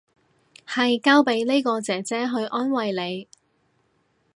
係交俾呢個姐姐去安慰你